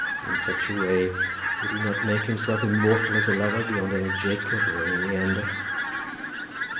In such a way would he not make himself immortal as a lover beyond any Jacob or any Leander?